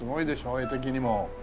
画的にも。